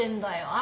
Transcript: あ？